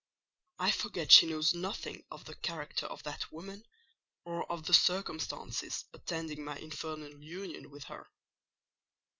I forget she knows nothing of the character of that woman, or of the circumstances attending my infernal union with her.